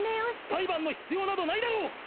「裁判の必要などないだろう！」